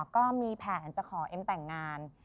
ก็มีแผนจะขอเอ็มแต่งงาน